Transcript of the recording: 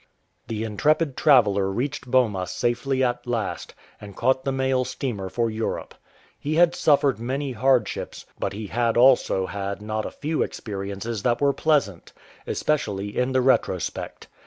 The intrepid traveller reached Boma safely at last, and caught the mail steamer for Europe. He had suffered many hardships, but he had also had not a few experiences that were pleasant — especially in the retrospect.